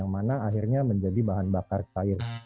dan akhirnya menjadi bahan bakar air